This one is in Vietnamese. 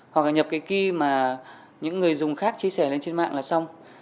hoặc là nhập cái ke mà những người dùng khác chia sẻ lên trên mạng là xong